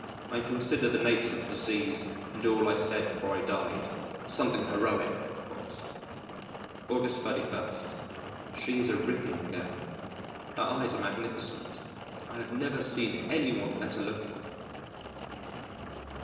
I consider the nature of the disease and all I said before I died something heroic, of course! August 31. She is a ripping girl. Her eyes are magnificent. I have never seen any one better looking.